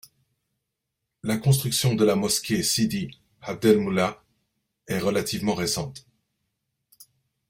La construction de la mosquée Sidi Abdelmoula est relativement récente.